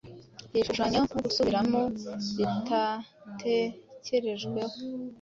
Ibishushanyo no gusubiramo bitatekerejweho